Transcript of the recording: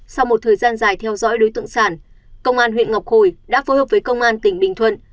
sau một thời gian dài theo dõi đối tượng sản công an huyện ngọc hồi đã phối hợp với công an tỉnh bình thuận